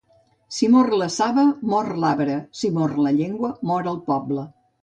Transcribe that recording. Si mor la saba, mor l'arbre. Si mor la llengua, mor el poble.